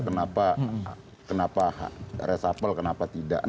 kenapa resapel kenapa tidak